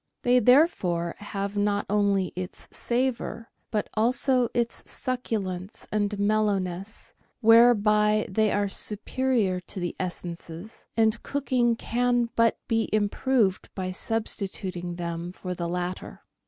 They therefore have not only its savour, but also its succulence and mellowness, whereby they are superior to the essences, and cooking can but be improved by substituting them for the latter.